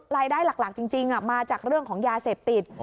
รายได้หลักจริงมาจากเรื่องของยาเสพติด